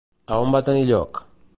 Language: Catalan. A on va tenir lloc?